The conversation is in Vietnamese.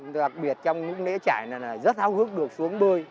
đặc biệt trong những lễ trải này là rất hào hức được xuống bơi